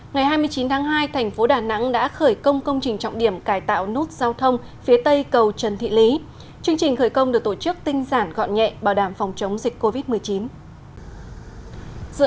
ngày hai mươi chín tháng hai thành phố đà nẵng đã khởi công công trình trọng điểm cải tạo nút giao thông phía tây cầu trần thị lý chương trình khởi công được tổ chức tinh giản gọn nhẹ bảo đảm phòng chống dịch covid một mươi chín